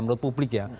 menurut publik ya